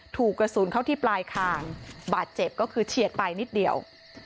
ถูกกระสุนเข้าที่ปลายคางบาดเจ็บก็คือเฉียดไปนิดเดียว